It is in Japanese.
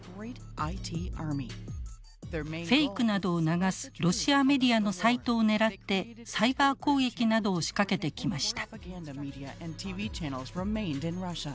フェイクなどを流すロシアメディアのサイトを狙ってサイバー攻撃などを仕掛けてきました。